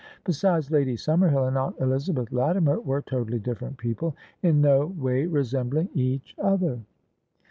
Besides Lady Summerhill and aunt Elizabeth Lati mer were totally different people, in no way resembling each other."